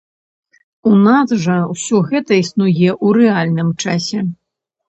У нас жа ўсё гэта існуе ў рэальным часе.